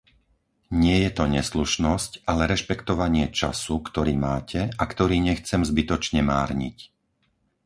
Nie je to neslušnosť, ale rešpektovanie času, ktorý máte a ktorý nechcem zbytočne márniť.